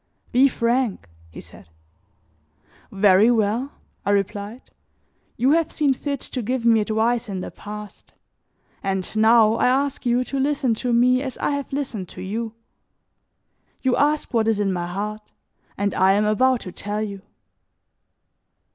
"Be frank!" he said. "Very well," I replied, "you have seen fit to give me advice in the past and now I ask you to listen to me as I have listened to you. You ask what is in my heart and I am about to tell you.